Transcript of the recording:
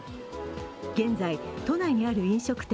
現在、都内にある飲食店